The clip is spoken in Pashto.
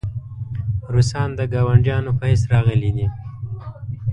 روسان د ګاونډیانو په حیث راغلي دي.